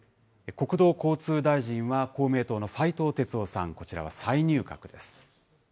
国土交通大臣は公明党の斉藤鉄夫さん、こちらは再入閣です。